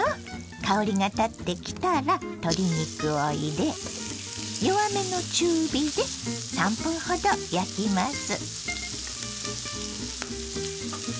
香りがたってきたら鶏肉を入れ弱めの中火で３分ほど焼きます。